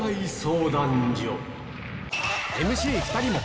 ＭＣ２人も！